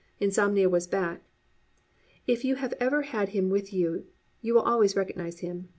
Insomnia was back. If you have ever had him you will always recognise him.